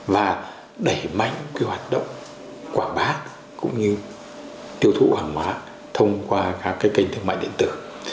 và đẩy mạnh cái hoạt động quảng bá cũng như tiêu thụ hàng hóa thông qua các kênh thương mại điện tử